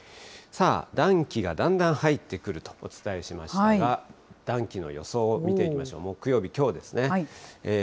さあ、暖気がだんだん入ってくるとお伝えしましたが、暖気の予想を見ていきましょう、木曜日、きょうですね。